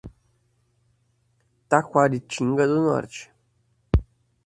Taquaritinga do Norte